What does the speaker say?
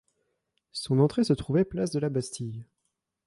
Son entrée se trouvait place de la Bastille.